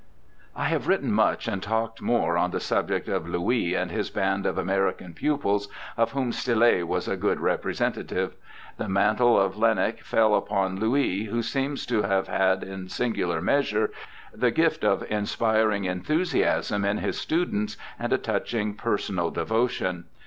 I have written much and talked more on the subject of Louis and his band of American pupils, of whom Stille was a good representative. The mantle of Laennec fell upon Louis, who seems to have had in singular measure the gift of inspiring enthusiasm in his students and a touching personal devotion.